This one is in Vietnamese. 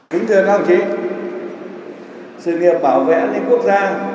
kính thưa các học trí sự nghiệp bảo vệ an ninh quốc gia